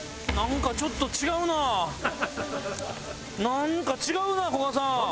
なんか違うなこがさん！